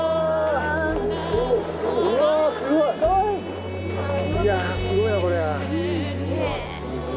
いやあすごいなこりゃ。